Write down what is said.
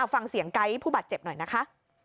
ฟังเสียงไก๊ผู้บาดเจ็บหน่อยนะคะ